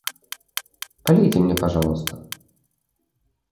Полейте мне, пожалуйста.